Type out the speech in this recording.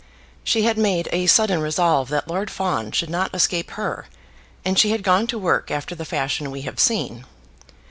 She had made a sudden resolve that Lord Fawn should not escape her, and she had gone to work after the fashion we have seen.